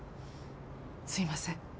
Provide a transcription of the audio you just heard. すいません